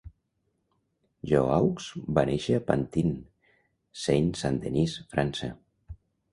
Jouhaux va néixer a Pantin, Seine-Saint-Denis, França.